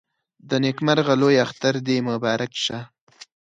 د نيکمرغه لوی اختر دې مبارک شه